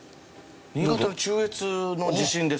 新潟の中越の地震ですか？